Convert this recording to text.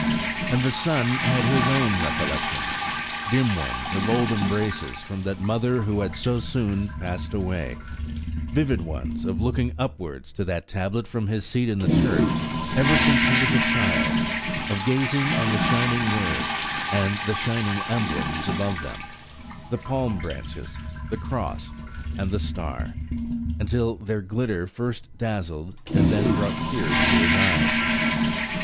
And the son had his own recollections–dim ones of old embraces from that mother who had so soon passed away–vivid ones of looking upwards to that tablet from his seat in church ever since he was a child–of gazing on the shining words, and the shining emblems above them, the palm branches, the cross, and the star, until their glitter first dazzled and then brought tears to his eyes.